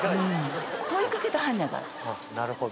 あなるほど。